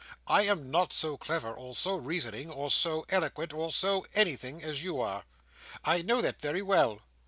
I am not so clever, or so reasoning, or so eloquent, or so anything, as you are. I know that very well.